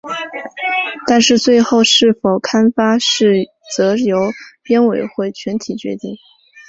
但是最后是否刊发则由编委会全体决定。